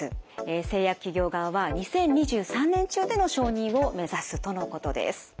製薬企業側は２０２３年中での承認を目指すとのことです。